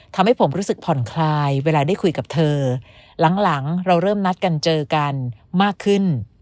ทำให้ผมรู้สึกผ่อนคลายเวลาได้คุยกับเธอหลังเราเริ่มนัดกันเจอกันมากขึ้น